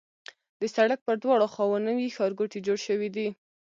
د سړک پر دواړو خواوو نوي ښارګوټي جوړ شوي دي.